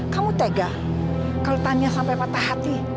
kamu tega kalau tania sampai patah hati